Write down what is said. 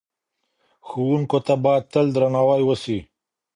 ښوونکو ته باید تل درناوی وسي.